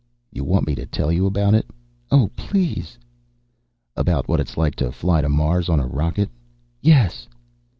"You want me to tell you about it?" "Oh, please!" "About what it's like to fly to Mars on a rocket?" "Yes!"